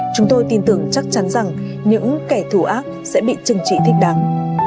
chúng tôi tin tưởng chắc chắn rằng những kẻ thù ác sẽ bị trừng trị thích đáng